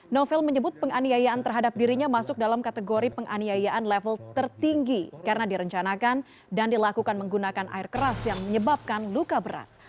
novel menyebut penganiayaan terhadap dirinya masuk dalam kategori penganiayaan level tertinggi karena direncanakan dan dilakukan menggunakan air keras yang menyebabkan luka berat